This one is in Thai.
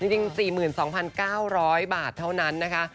จริง๔๒๙๐๐บาทเท่านั้นนะคะ